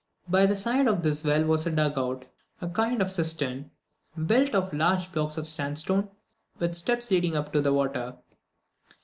By the side of this a well was dug out; a kind of cistern, built of large blocks of red sandstone, with steps leading up to the water.